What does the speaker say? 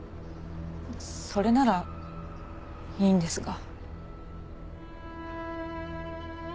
それならいいんですが。